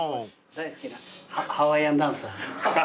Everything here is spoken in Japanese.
大好きなハワイアンダンサー。